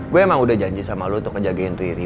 gua emang udah janji sama lu untuk ngejagain riri